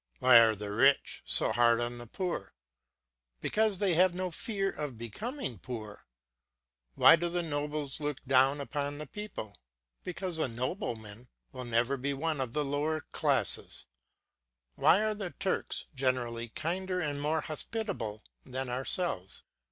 Why are the rich so hard on the poor? Because they have no fear of becoming poor. Why do the nobles look down upon the people? Because a nobleman will never be one of the lower classes. Why are the Turks generally kinder and more hospitable than ourselves?